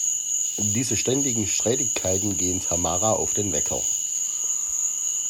Diese ständigen Streitigkeiten gehen Tamara auf den Wecker.